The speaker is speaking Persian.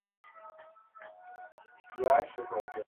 تعرفۀ گمرکی